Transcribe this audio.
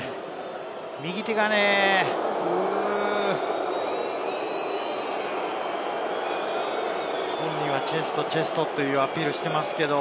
右手がね、本人はチェスト、チェストというアピールをしていますが。